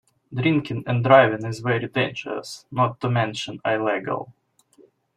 Drinking and driving Is very dangerous, not to mention illegal.